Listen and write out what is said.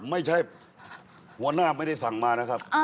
ไม่ใช่หัวหน้าไม่ได้สั่งมานะครับ